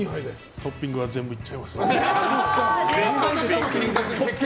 トッピングは全部行っちゃいます。